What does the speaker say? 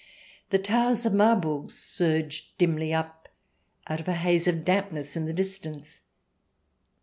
The towers of Marburg surged dimly up out of a haze of dampness in the distance.